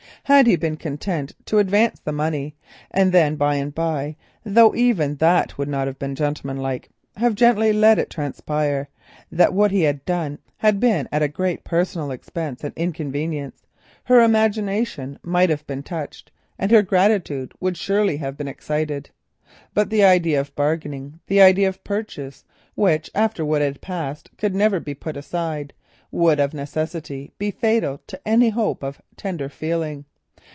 Had he been content to advance the money and then by and bye, though even that would not have been gentlemanlike, have gently let transpire what he had done at great personal expense and inconvenience, her imagination might have been touched and her gratitude would certainly have been excited. But the idea of bargaining, the idea of purchase, which after what had passed could never be put aside, would of necessity be fatal to any hope of tender feeling.